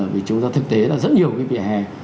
vì chúng ta thực tế là rất nhiều cái vỉa hè